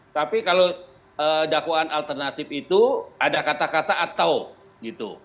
tapi kalau dakwaan alternatif itu ada kata kata atau gitu